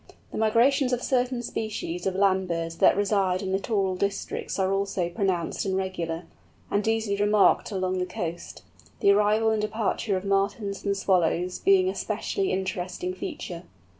The migrations of certain species of land birds that reside in littoral districts are also pronounced and regular, and easily remarked along the coast; the arrival and departure of Martins and Swallows being a specially interesting feature.